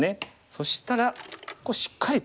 そしたらしっかりと。